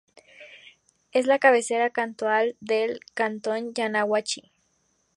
Es la cabecera cantonal del cantón Yaguachi.